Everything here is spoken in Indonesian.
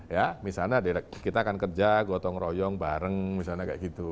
ya misalnya kita akan kerja gotong royong bareng misalnya kayak gitu